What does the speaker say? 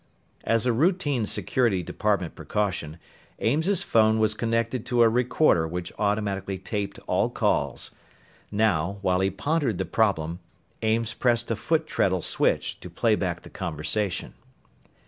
_ As a routine security department precaution, Ames's phone was connected to a recorder which automatically taped all calls. Now, while he pondered the problem, Ames pressed a foot treadle switch to play back the conversation.